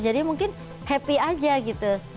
jadi mungkin happy aja gitu